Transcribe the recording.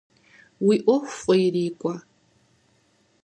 Уи ӏуэху фӏы ирикӏуэ!